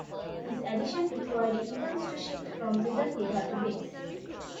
His addition required Evans to shift from rhythm guitar to bass.